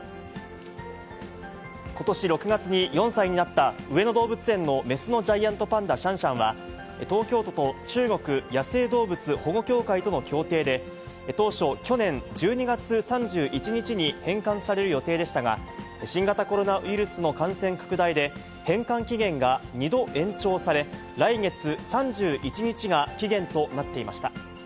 ことし６月に４歳になった、上野動物園の雌のジャイアントパンダ、シャンシャンは、東京都と中国野生動物保護協会との協定で、当初、去年１２月３１日に返還される予定でしたが、新型コロナウイルスの感染拡大で、返還期限が２度延長され、来月３１日が期限となっていました。